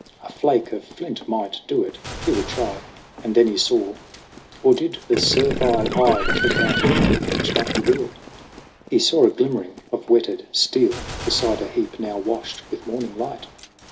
A flake of flint might do it : he would try. And then he saw or did the servile eye Trick out a mental image like the real ? He saw a glimmering of whetted steel Beside a heap now washed with morning light